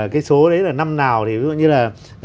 cái số đấy là năm nào thì ví dụ như là